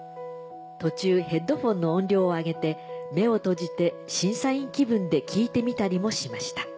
途中ヘッドホンの音量を上げて目を閉じて審査員気分で聴いてみたりもしました。